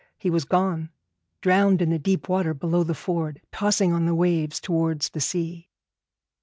He was gone, drowned in the deep water below the ford, tossing on the waves towards the sea.